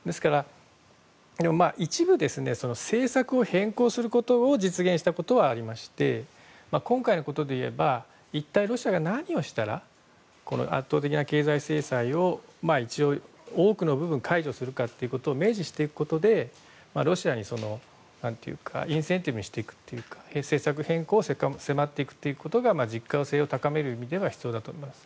でも、一部政策を変更することを実現したことはありまして今回のことで言えば一体ロシアが何をしたら、圧倒的な経済制裁を一応、多くの部分を解除するかを明示していくことでロシアにインセンティブしていくというか、政策変更を迫っていくことが実感性を高める意味では必要だと思います。